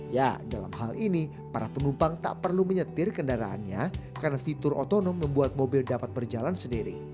ya dalam hal ini para penumpang tak perlu menyetir kendaraannya karena fitur otonom membuat mobil dapat berjalan sendiri